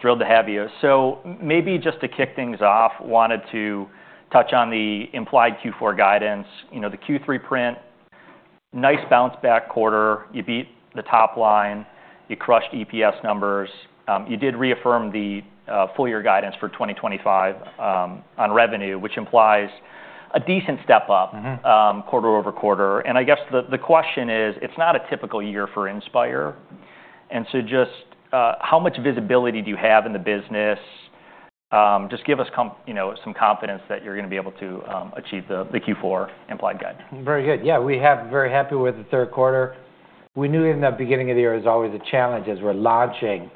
Thrilled to have you. Maybe just to kick things off, wanted to touch on the implied Q4 guidance. You know, the Q3 print, nice bounce-back quarter. You beat the top line. You crushed EPS numbers. You did reaffirm the full-year guidance for 2025 on revenue, which implies a decent step up quarter over quarter. I guess the question is, it's not a typical year for Inspire. Just how much visibility do you have in the business? Just give us some confidence that you're going to be able to achieve the Q4 implied guidance. Very good. Yeah, we have been very happy with the third quarter. We knew in the beginning of the year it was always a challenge as we're launching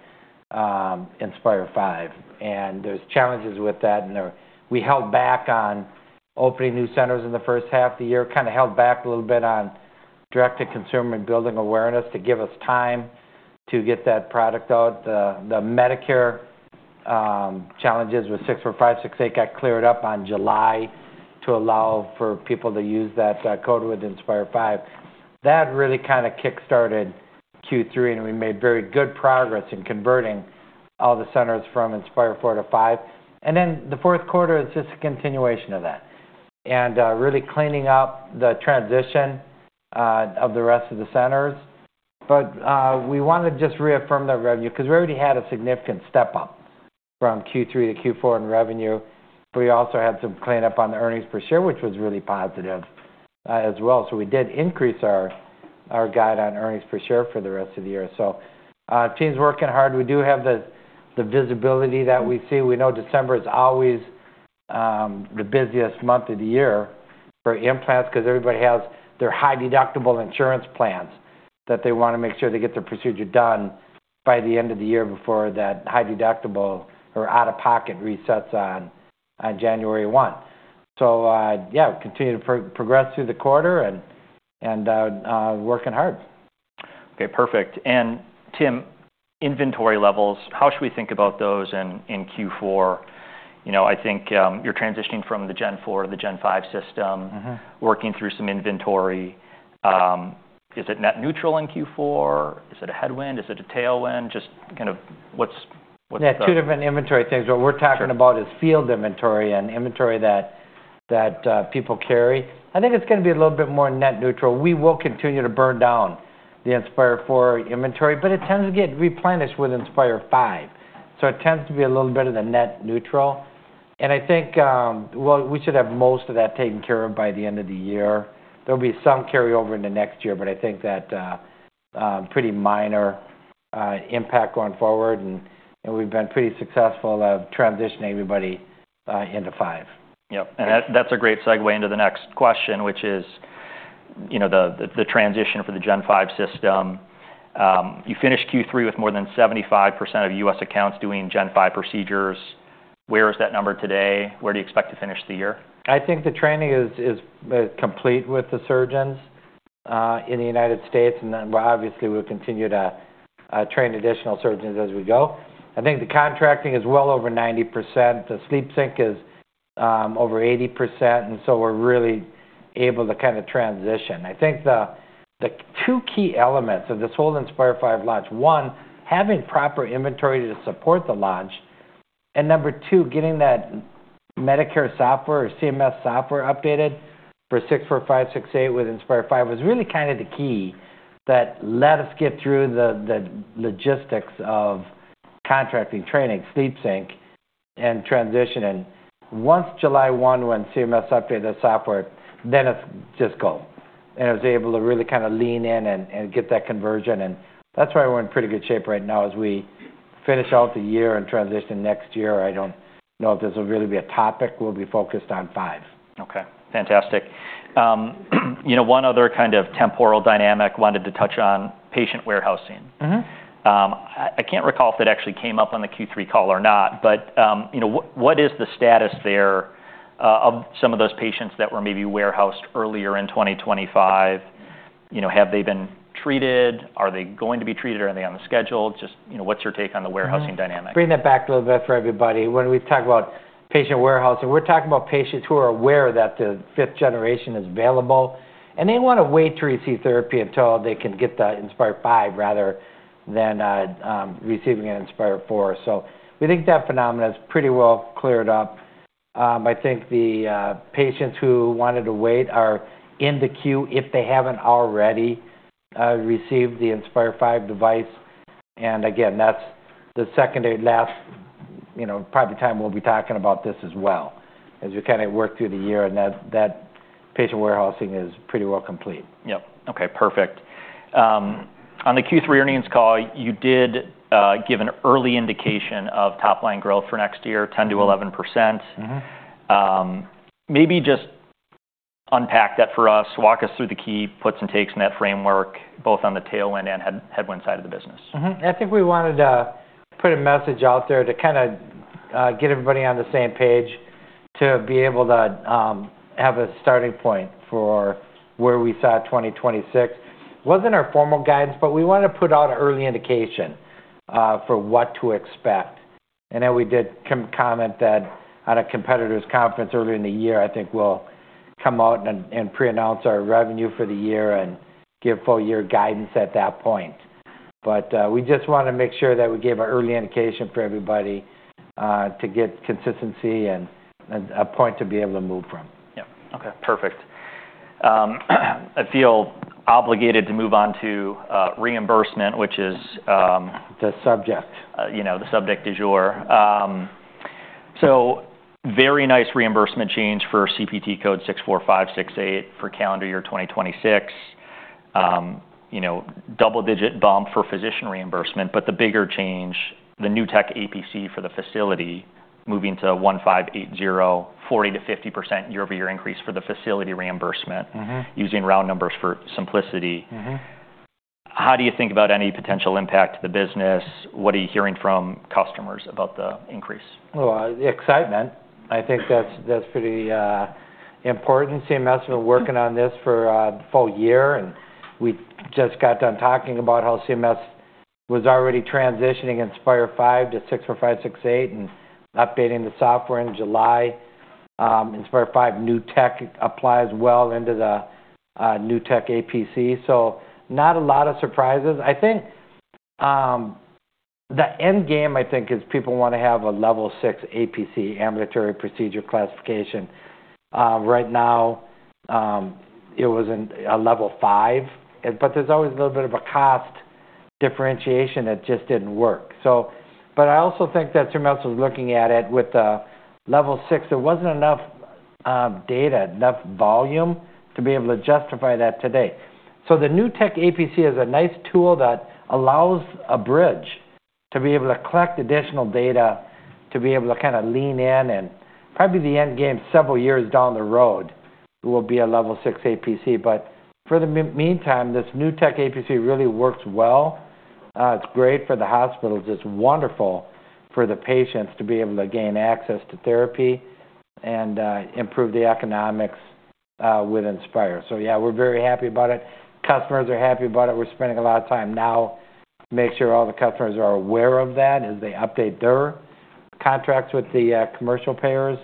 Inspire V. There were challenges with that. We held back on opening new centers in the first half of the year, kind of held back a little bit on direct-to-consumer and building awareness to give us time to get that product out. The Medicare challenges with 64568 got cleared up in July to allow for people to use that code with Inspire V. That really kind of kickstarted Q3. We made very good progress in converting all the centers from Inspire IV to V. The fourth quarter is just a continuation of that and really cleaning up the transition of the rest of the centers. We wanted to just reaffirm that revenue because we already had a significant step up from Q3 to Q4 in revenue. We also had some cleanup on the earnings per share, which was really positive as well. We did increase our guide on earnings per share for the rest of the year. The team's working hard. We do have the visibility that we see. We know December is always the busiest month of the year for implants because everybody has their high-deductible insurance plans that they want to make sure they get their procedure done by the end of the year before that high-deductible or out-of-pocket resets on January 1. Yeah, continue to progress through the quarter and working hard. Okay, perfect. Tim, inventory levels, how should we think about those in Q4? I think you're transitioning from the Gen IV to the Gen V system, working through some inventory. Is it net neutral in Q4? Is it a headwind? Is it a tailwind? Just kind of what's the. Yeah, two different inventory things. What we're talking about is field inventory and inventory that people carry. I think it's going to be a little bit more net neutral. We will continue to burn down the Inspire IV inventory, but it tends to get replenished with Inspire V. It tends to be a little bit of the net neutral. I think we should have most of that taken care of by the end of the year. There'll be some carryover in the next year, but I think that is a pretty minor impact going forward. We've been pretty successful at transitioning everybody into V. Yep. And that's a great segue into the next question, which is the transition for the Gen V system. You finished Q3 with more than 75% of U.S. accounts doing Gen V procedures. Where is that number today? Where do you expect to finish the year? I think the training is complete with the surgeons in the United States. Obviously, we'll continue to train additional surgeons as we go. I think the contracting is well over 90%. The SleepSync is over 80%. We are really able to kind of transition. I think the two key elements of this whole Inspire V launch, one, having proper inventory to support the launch. Number two, getting that Medicare software or CMS software updated for 64568 with Inspire V was really kind of the key that let us get through the logistics of contracting, training, SleepSync, and transition. Once July 1 when CMS updated the software, then it's just go. I was able to really kind of lean in and get that conversion. That's why we're in pretty good shape right now. As we finish out the year and transition next year, I don't know if this will really be a topic. We'll be focused on V. Okay. Fantastic. One other kind of temporal dynamic I wanted to touch on, patient warehousing. I can't recall if that actually came up on the Q3 call or not, but what is the status there of some of those patients that were maybe warehoused earlier in 2025? Have they been treated? Are they going to be treated? Are they on the schedule? Just what's your take on the warehousing dynamic? Bring that back a little bit for everybody. When we talk about patient warehousing, we're talking about patients who are aware that the fifth generation is available. They want to wait to receive therapy until they can get that Inspire V rather than receiving an Inspire IV. We think that phenomenon is pretty well cleared up. I think the patients who wanted to wait are in the queue if they haven't already received the Inspire V device. Again, that's the secondary last probably time we'll be talking about this as well as we kind of work through the year. That patient warehousing is pretty well complete. Yep. Okay, perfect. On the Q3 earnings call, you did give an early indication of top-line growth for next year, 10%-11%. Maybe just unpack that for us, walk us through the key puts and takes in that framework, both on the tailwind and headwind side of the business. I think we wanted to put a message out there to kind of get everybody on the same page to be able to have a starting point for where we saw 2026. It was not our formal guidance, but we wanted to put out an early indication for what to expect. We did comment that on a competitor's conference earlier in the year, I think we will come out and pre-announce our revenue for the year and give full-year guidance at that point. We just want to make sure that we gave an early indication for everybody to get consistency and a point to be able to move from. Yep. Okay, perfect. I feel obligated to move on to reimbursement, which is. The subject. The subject is yours. Very nice reimbursement change for CPT code 64568 for calendar year 2026. Double-digit bump for physician reimbursement. The bigger change, the New Tech APC for the facility moving to $1,580, 40%-50% year-over-year increase for the facility reimbursement using round numbers for simplicity. How do you think about any potential impact to the business? What are you hearing from customers about the increase? Excitement. I think that's pretty important. CMS has been working on this for the full year. We just got done talking about how CMS was already transitioning Inspire V to 64568 and updating the software in July. Inspire V new tech applies well into the New Tech APC. Not a lot of surprises. I think the end game, I think, is people want to have a Level 6 APC, ambulatory payment classification. Right now, it was a Level 5, but there's always a little bit of a cost differentiation that just didn't work. I also think that CMS was looking at it with a Level 6. There wasn't enough data, enough volume to be able to justify that today. The New Tech APC is a nice tool that allows a bridge to be able to collect additional data to be able to kind of lean in. Probably the end game, several years down the road, it will be a Level 6 APC. For the meantime, this New Tech APC really works well. It's great for the hospitals. It's wonderful for the patients to be able to gain access to therapy and improve the economics with Inspire. Yeah, we're very happy about it. Customers are happy about it. We're spending a lot of time now to make sure all the customers are aware of that as they update their contracts with the commercial payers.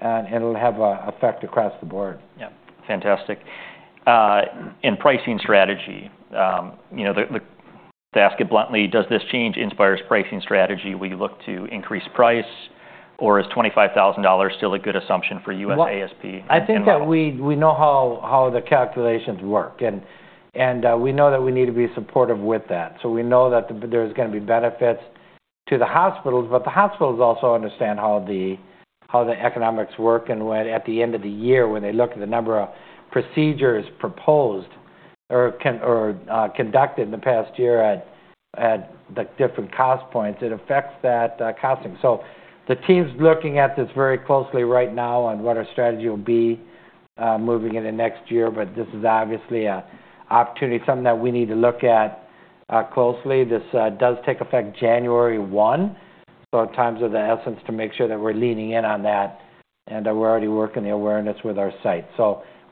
It'll have an effect across the board. Yep. Fantastic. And pricing strategy, to ask it bluntly, does this change Inspire's pricing strategy? Will you look to increase price? Or is $25,000 still a good assumption for USASP? I think that we know how the calculations work. We know that we need to be supportive with that. We know that there's going to be benefits to the hospitals. The hospitals also understand how the economics work. At the end of the year, when they look at the number of procedures proposed or conducted in the past year at the different cost points, it affects that costing. The team's looking at this very closely right now on what our strategy will be moving into next year. This is obviously an opportunity, something that we need to look at closely. This does take effect January 1. Times of the essence to make sure that we're leaning in on that and that we're already working the awareness with our site.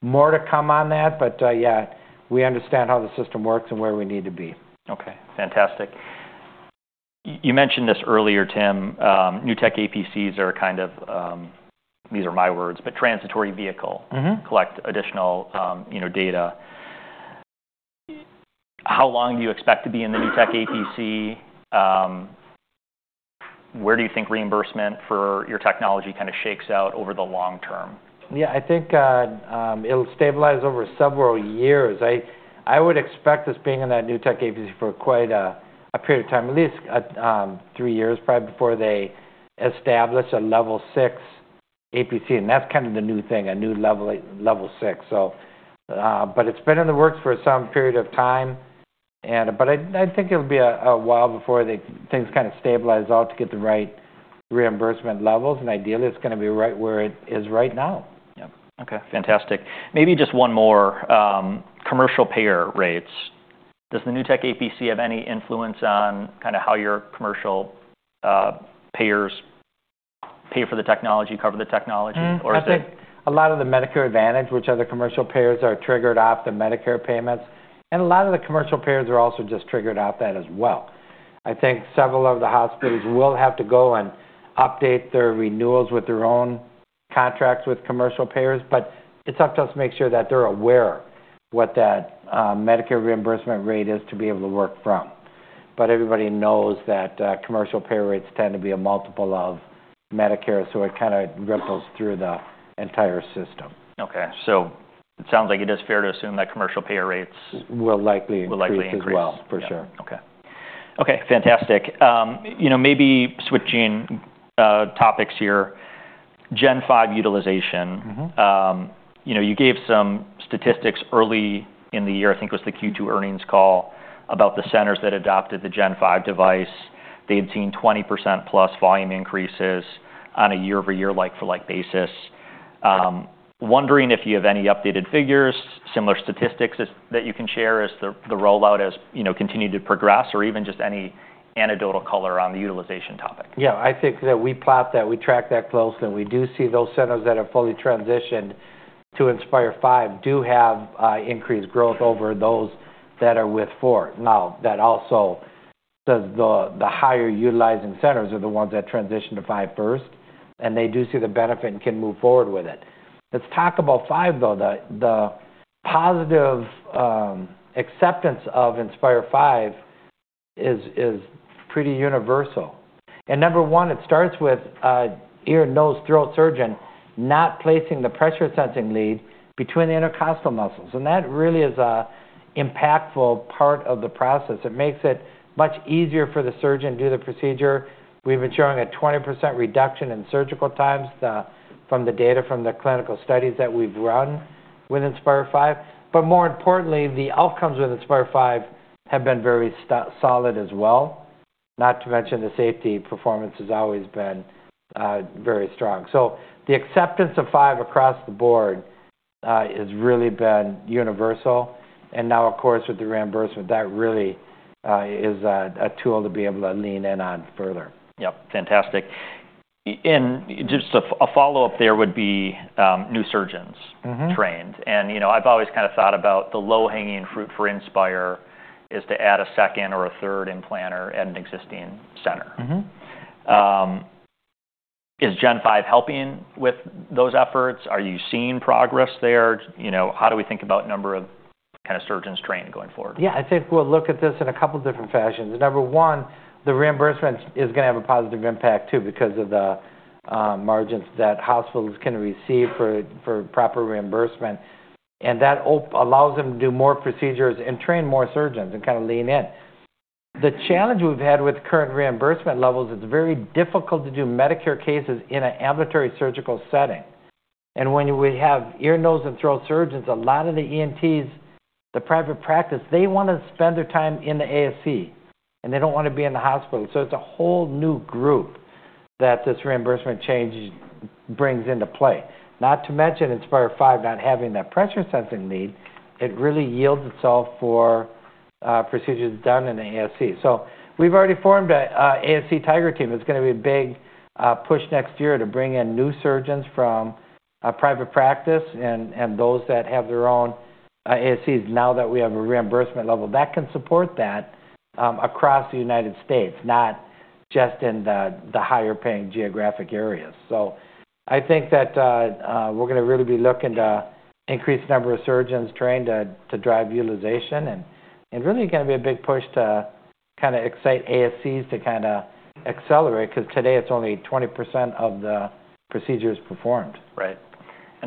More to come on that. Yeah, we understand how the system works and where we need to be. Okay. Fantastic. You mentioned this earlier, Tim. New Tech APCs are kind of, these are my words, but transitory vehicle, collect additional data. How long do you expect to be in the New Tech APC? Where do you think reimbursement for your technology kind of shakes out over the long term? Yeah, I think it'll stabilize over several years. I would expect us being in that New Tech APC for quite a period of time, at least three years probably before they establish a Level 6 APC. That's kind of the new thing, a new Level 6. It's been in the works for some period of time. I think it'll be a while before things kind of stabilize out to get the right reimbursement levels. Ideally, it's going to be right where it is right now. Yep. Okay. Fantastic. Maybe just one more. Commercial payer rates. Does the New Tech APC have any influence on kind of how your commercial payers pay for the technology, cover the technology? Or is it? I think a lot of the Medicare Advantage, which other commercial payers are triggered off the Medicare payments. A lot of the commercial payers are also just triggered off that as well. I think several of the hospitals will have to go and update their renewals with their own contracts with commercial payers. It is up to us to make sure that they're aware what that Medicare reimbursement rate is to be able to work from. Everybody knows that commercial payer rates tend to be a multiple of Medicare. It kind of ripples through the entire system. Okay. It sounds like it is fair to assume that commercial payer rates. Will likely increase as well. For sure. Okay. Okay. Fantastic. Maybe switching topics here. Gen V utilization. You gave some statistics early in the year, I think it was the Q2 earnings call, about the centers that adopted the Gen V device. They had seen 20%+ volume increases on a year-over-year like-for-like basis. Wondering if you have any updated figures, similar statistics that you can share as the rollout has continued to progress or even just any anecdotal color on the utilization topic. Yeah. I think that we plot that. We track that closely. We do see those centers that have fully transitioned to Inspire V do have increased growth over those that are with IV. That also says the higher utilizing centers are the ones that transitioned to V first. They do see the benefit and can move forward with it. Let's talk about V, though. The positive acceptance of Inspire V is pretty universal. Number one, it starts with ear, nose, throat surgeon not placing the pressure-sensing lead between the intercostal muscles. That really is an impactful part of the process. It makes it much easier for the surgeon to do the procedure. We've been showing a 20% reduction in surgical times from the data from the clinical studies that we've run with Inspire V. More importantly, the outcomes with Inspire V have been very solid as well. Not to mention the safety performance has always been very strong. The acceptance of V across the board has really been universal. Now, of course, with the reimbursement, that really is a tool to be able to lean in on further. Yep. Fantastic. Just a follow-up there would be new surgeons trained. I've always kind of thought about the low-hanging fruit for Inspire is to add a second or a third implant at an existing center. Is Gen V helping with those efforts? Are you seeing progress there? How do we think about number of kind of surgeons trained going forward? Yeah. I think we'll look at this in a couple of different fashions. Number one, the reimbursement is going to have a positive impact too because of the margins that hospitals can receive for proper reimbursement. That allows them to do more procedures and train more surgeons and kind of lean in. The challenge we've had with current reimbursement levels is it's very difficult to do Medicare cases in an ambulatory surgical setting. When we have ear, nose, and throat surgeons, a lot of the ENTs, the private practice, they want to spend their time in the ASC. They don't want to be in the hospital. It's a whole new group that this reimbursement change brings into play. Not to mention Inspire V not having that pressure-sensing lead. It really yields itself for procedures done in the ASC. We've already formed an ASC Tiger team. It's going to be a big push next year to bring in new surgeons from private practice and those that have their own ASCs now that we have a reimbursement level that can support that across the United States, not just in the higher-paying geographic areas. I think that we're going to really be looking to increase the number of surgeons trained to drive utilization. It's really going to be a big push to kind of excite ASCs to kind of accelerate because today it's only 20% of the procedures performed. Right.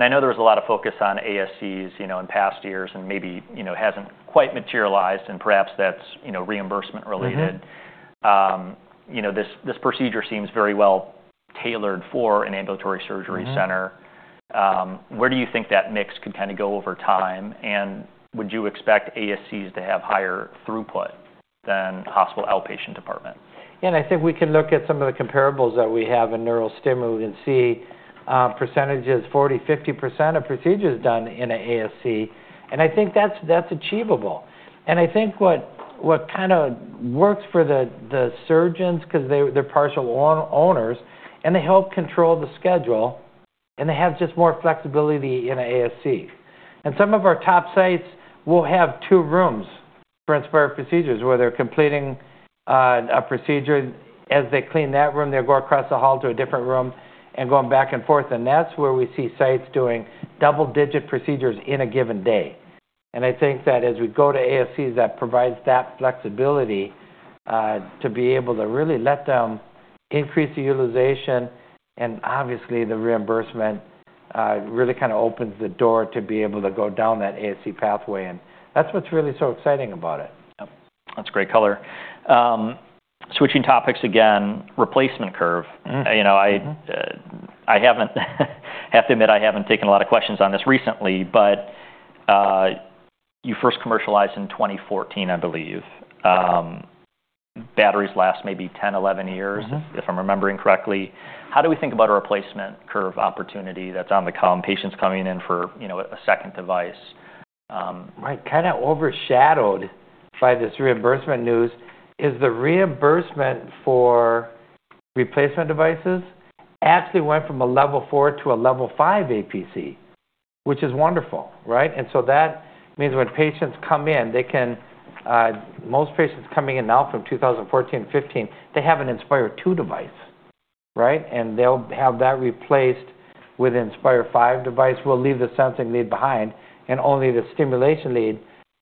I know there was a lot of focus on ASCs in past years and maybe hasn't quite materialized. Perhaps that's reimbursement related. This procedure seems very well tailored for an ambulatory surgery center. Where do you think that mix could kind of go over time? Would you expect ASCs to have higher throughput than hospital outpatient department? Yeah. I think we can look at some of the comparables that we have in neuro stimulant and see percentages, 40%-50% of procedures done in an ASC. I think that's achievable. I think what kind of works for the surgeons because they're partial owners and they help control the schedule. They have just more flexibility in an ASC. Some of our top sites will have two rooms for Inspire procedures where they're completing a procedure. As they clean that room, they go across the hall to a different room and go back and forth. That's where we see sites doing double-digit procedures in a given day. I think that as we go to ASCs, that provides that flexibility to be able to really let them increase the utilization. Obviously, the reimbursement really kind of opens the door to be able to go down that ASC pathway. That is what's really so exciting about it. Yep. That's a great color. Switching topics again, replacement curve. I have to admit I haven't taken a lot of questions on this recently. You first commercialized in 2014, I believe. Batteries last maybe 10, 11 years if I'm remembering correctly. How do we think about a replacement curve opportunity that's on the come? Patients coming in for a second device. Right. Kind of overshadowed by this reimbursement news is the reimbursement for replacement devices actually went from a Level 4 to a Level 5 APC, which is wonderful, right? That means when patients come in, most patients coming in now from 2014 and 2015, they have an Inspire II device, right? They will have that replaced with an Inspire V device. We will leave the sensing lead behind and only the stimulation lead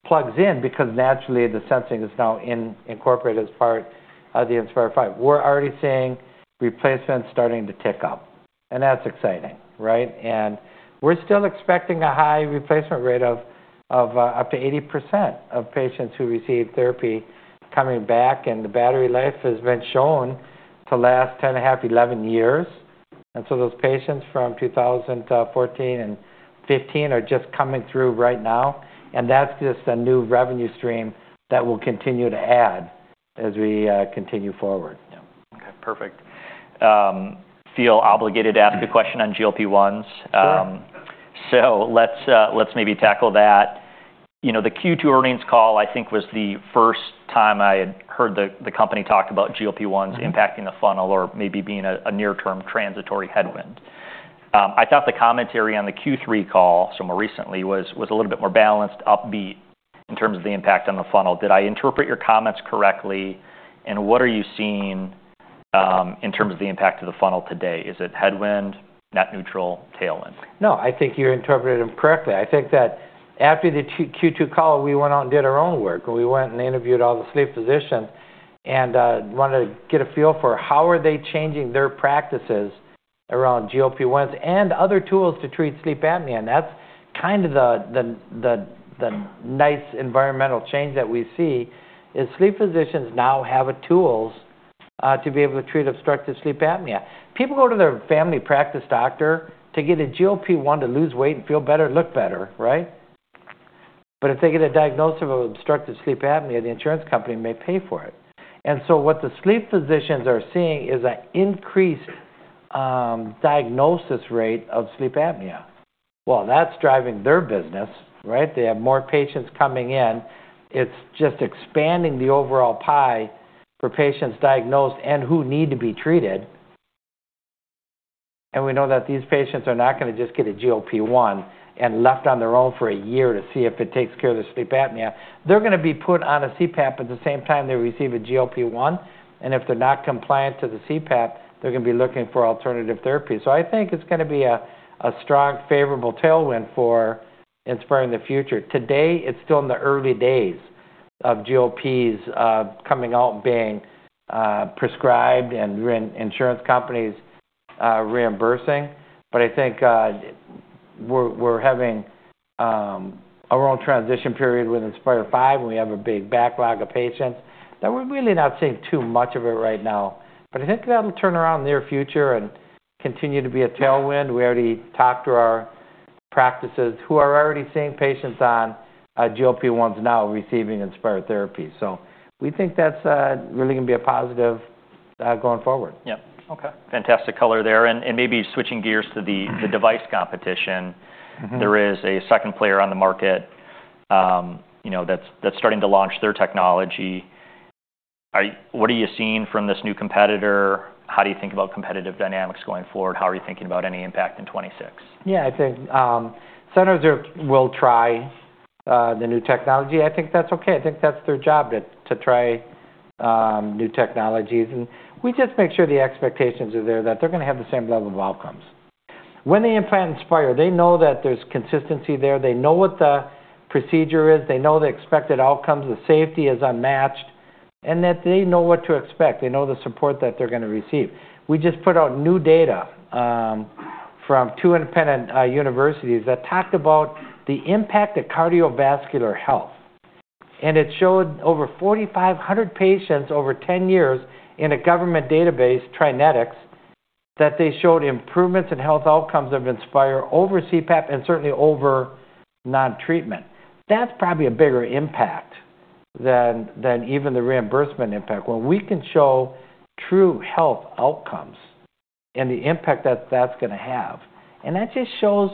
plugs in because naturally the sensing is now incorporated as part of the Inspire V. we are already seeing replacements starting to tick up. That is exciting, right? We are still expecting a high replacement rate of up to 80% of patients who receive therapy coming back. The battery life has been shown to last 10 and a half, 11 years. Those patients from 2014 and 2015 are just coming through right now. That is just a new revenue stream that we will continue to add as we continue forward. Yep. Okay. Perfect. Feel obligated to ask a question on GLP-1s. Let's maybe tackle that. The Q2 earnings call, I think, was the first time I had heard the company talk about GLP-1s impacting the funnel or maybe being a near-term transitory headwind. I thought the commentary on the Q3 call, so more recently, was a little bit more balanced, upbeat in terms of the impact on the funnel. Did I interpret your comments correctly? What are you seeing in terms of the impact of the funnel today? Is it headwind, net neutral, tailwind? No. I think you interpreted them correctly. I think that after the Q2 call, we went out and did our own work. We went and interviewed all the sleep physicians and wanted to get a feel for how are they changing their practices around GLP-1s and other tools to treat sleep apnea. That's kind of the nice environmental change that we see is sleep physicians now have tools to be able to treat obstructive sleep apnea. People go to their family practice doctor to get a GLP-1 to lose weight and feel better and look better, right? If they get a diagnosis of obstructive sleep apnea, the insurance company may pay for it. What the sleep physicians are seeing is an increased diagnosis rate of sleep apnea. That's driving their business, right? They have more patients coming in. It's just expanding the overall pie for patients diagnosed and who need to be treated. We know that these patients are not going to just get a GLP-1 and left on their own for a year to see if it takes care of their sleep apnea. They're going to be put on a CPAP at the same time they receive a GLP-1. If they're not compliant to the CPAP, they're going to be looking for alternative therapy. I think it's going to be a strong, favorable tailwind for Inspire in the future. Today, it's still in the early days of GLPs coming out and being prescribed and insurance companies reimbursing. I think we're having our own transition period with Inspire V. We have a big backlog of patients. Now, we're really not seeing too much of it right now. I think that'll turn around in the near future and continue to be a tailwind. We already talked to our practices who are already seeing patients on GLP-1s now receiving Inspire therapy. We think that's really going to be a positive going forward. Yep. Okay. Fantastic color there. Maybe switching gears to the device competition. There is a second player on the market that's starting to launch their technology. What are you seeing from this new competitor? How do you think about competitive dynamics going forward? How are you thinking about any impact in 2026? Yeah. I think centers will try the new technology. I think that's okay. I think that's their job to try new technologies. We just make sure the expectations are there that they're going to have the same level of outcomes. When they implant Inspire, they know that there's consistency there. They know what the procedure is. They know the expected outcomes. The safety is unmatched. They know what to expect. They know the support that they're going to receive. We just put out new data from two independent universities that talked about the impact of cardiovascular health. It showed over 4,500 patients over 10 years in a government database, TriNetX, that they showed improvements in health outcomes of Inspire over CPAP and certainly over non-treatment. That's probably a bigger impact than even the reimbursement impact when we can show true health outcomes and the impact that that's going to have. That just shows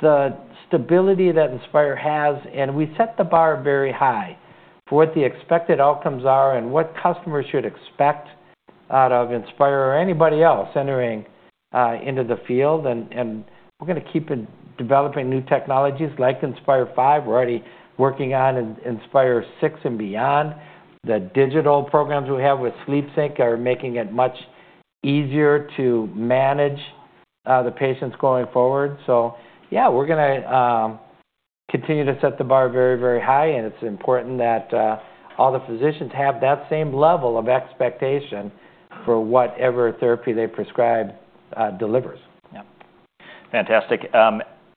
the stability that Inspire has. We set the bar very high for what the expected outcomes are and what customers should expect out of Inspire or anybody else entering into the field. We're going to keep developing new technologies like Inspire V. We're already working on Inspire VI and beyond. The digital programs we have with SleepSync are making it much easier to manage the patients going forward. Yeah, we're going to continue to set the bar very, very high. It's important that all the physicians have that same level of expectation for whatever therapy they prescribe delivers. Yep. Fantastic.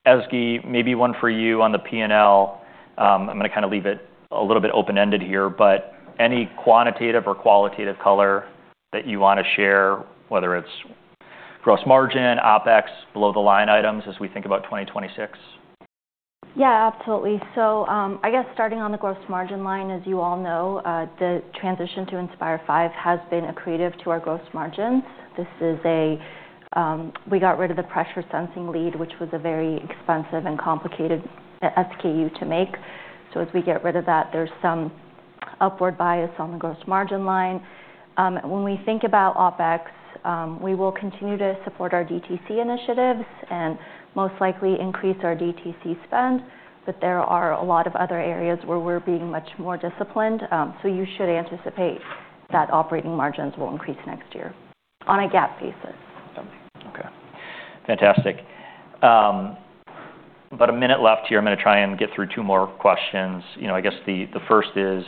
Ezgi, maybe one for you on the P&L. I'm going to kind of leave it a little bit open-ended here. But any quantitative or qualitative color that you want to share, whether it's gross margin, OpEx, below-the-line items as we think about 2026? Yeah. Absolutely. I guess starting on the gross margin line, as you all know, the transition to Inspire V has been accretive to our gross margins. This is a, we got rid of the pressure-sensing lead, which was a very expensive and complicated SKU to make. As we get rid of that, there's some upward bias on the gross margin line. When we think about OpEx, we will continue to support our DTC initiatives and most likely increase our DTC spend. There are a lot of other areas where we're being much more disciplined. You should anticipate that operating margins will increase next year on a GAAP basis. Okay. Fantastic. About a minute left here. I'm going to try and get through two more questions. I guess the first is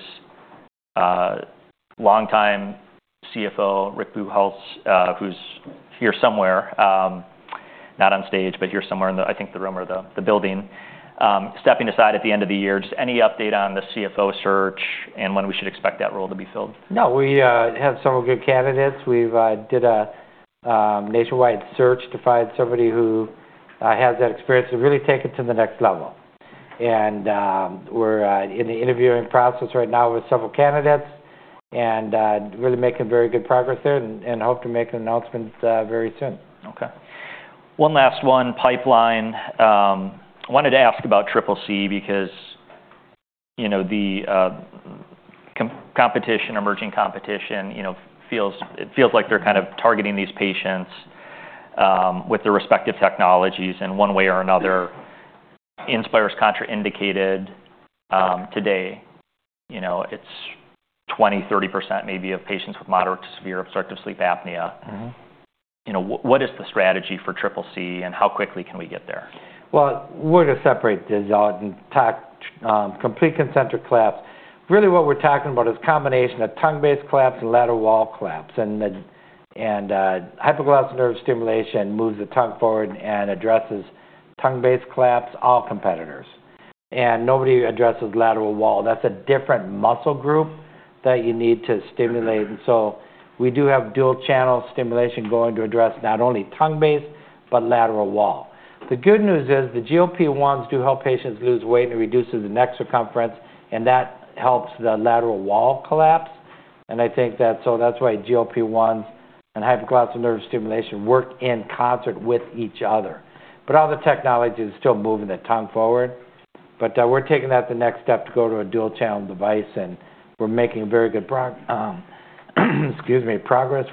longtime CFO, Rick Buchholz, who's here somewhere, not on stage, but here somewhere in the, I think, the room or the building. Stepping aside at the end of the year, just any update on the CFO search and when we should expect that role to be filled? No. We have several good candidates. We did a nationwide search to find somebody who has that experience to really take it to the next level. We are in the interviewing process right now with several candidates and really making very good progress there and hope to make an announcement very soon. Okay. One last one, pipeline. I wanted to ask about CCC because the competition, emerging competition, feels like they're kind of targeting these patients with their respective technologies. One way or another, Inspire's contraindicated today. It's 20%-30% maybe of patients with moderate to severe obstructive sleep apnea. What is the strategy for CCC and how quickly can we get there? We're going to separate these out and talk complete concentric collapse. Really, what we're talking about is a combination of tongue-based collapse and lateral wall collapse. Hypoglossal nerve stimulation moves the tongue forward and addresses tongue-based collapse, all competitors. Nobody addresses lateral wall. That's a different muscle group that you need to stimulate. We do have dual-channel stimulation going to address not only tongue-based but lateral wall. The good news is the GLP-1s do help patients lose weight and reduce the neck circumference. That helps the lateral wall collapse. I think that's why GLP-1s and hypoglossal nerve stimulation work in concert with each other. All the technology is still moving the tongue forward. We're taking that the next step to go to a dual-channel device. We're making very good progress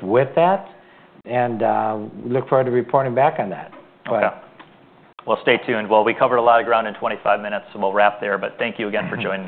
with that. We look forward to reporting back on that. Yep. Stay tuned. We covered a lot of ground in 25 minutes. We'll wrap there. Thank you again for joining.